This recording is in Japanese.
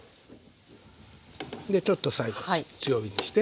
でちょっと最後強火にして。